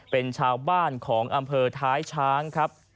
เป็นชาวบ้านของอำเภอท้ายช้างครับ